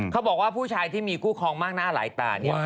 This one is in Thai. เขาบอกว่าผู้ชายที่มีคู่ครองมากหน้าหลายตาเนี่ย